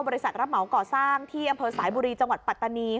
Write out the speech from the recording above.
บริษัทรัพย์เหมาเกาะสร้างที่อำเภอสายบุรีจังหวัดปัตตานี